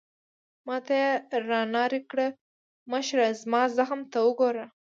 ما ته يې رانارې کړې: مشره، زما زخم ته وګوره.